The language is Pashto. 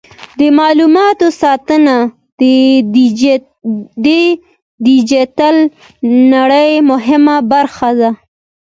د معلوماتو ساتنه د ډیجیټل نړۍ مهمه برخه ده.